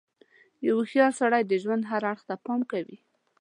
• یو هوښیار سړی د ژوند هر اړخ ته پام کوي.